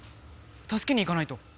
たすけに行かないと！